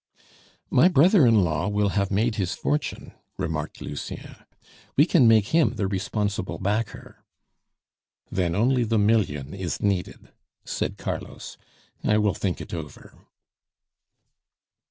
"My brother in law will have made his fortune," remarked Lucien; "we can make him the responsible backer." "Then only the million is needed," said Carlos. "I will think it over."